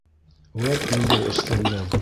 — Үәт ниндәй эшсәндәр.